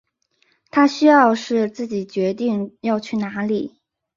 他需要是自己决定要去哪里